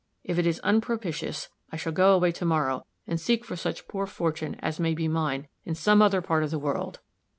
If it is unpropitious, I shall go away to morrow, and seek for such poor fortune as may be mine, in some other part of the world."